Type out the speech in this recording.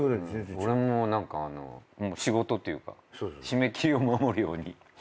俺も何か仕事っていうか締め切りを守るように。